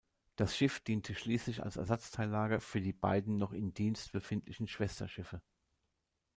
Das Schiff diente schließlich als Ersatzteillager für die beiden noch in Dienst befindlichen Schwesterschiffe.